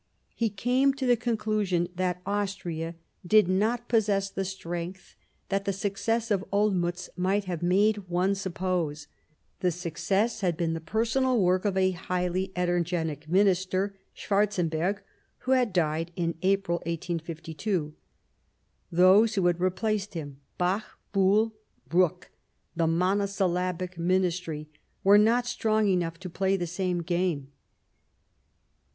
He cam6 to the conclusion that Austria did not possess the strength that the success of Olmiitz might have made one suppose ; the success had been the personal work of a highly energetic Minister, Schwarzenberg, who had died in April 1852. Those who had replaced him. Bach, Buol, Bruck — the monosyllabic Ministry — were not strong enough to play the same game.